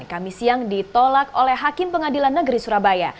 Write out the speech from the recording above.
kami siang ditolak oleh hakim pengadilan negeri surabaya